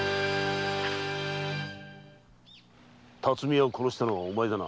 巽屋を殺したのはお前だな？